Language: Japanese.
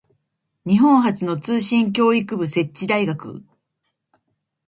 日本初の通信教育部設置大学